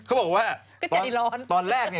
อ่ะอ่าอ่าอ่าต่อค่ะ